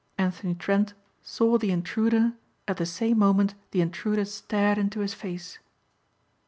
Anthony Trent saw the intruder at the same moment the intruder stared into his face.